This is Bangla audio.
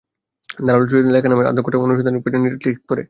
ধারালো ছুরি দিয়ে লেখা নামের আদ্যক্ষরটাও অনুসন্ধানী নজরে পড়ে ঠিক ঠিক।